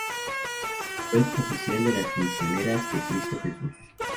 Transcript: Web oficial de las Misioneras de Cristo Jesús